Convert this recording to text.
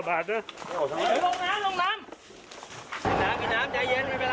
ไม่เป็นไร